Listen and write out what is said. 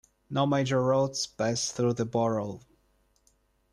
No major roads pass through the borough.